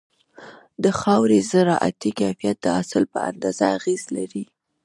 د خاورې زراعتي کيفيت د حاصل په اندازه اغېز لري.